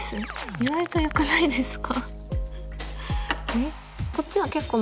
意外とよくないですか？